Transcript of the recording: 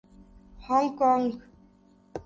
Hong Kong